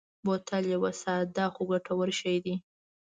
بوتل یو ساده خو ګټور شی دی.